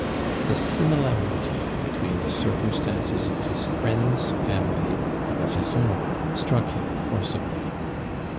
The similarity between the circumstances of his friend's family and of his own struck him forcibly.